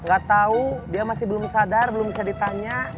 gak tau dia masih belum sadar belum bisa ditanya